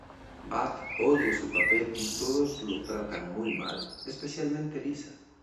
Bart odia su papel y todos lo tratan muy mal, especialmente Lisa.